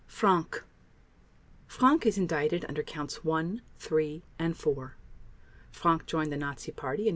FRANK Frank is indicted under Counts One, Three, and Four. Frank joined the Nazi Party in 1927.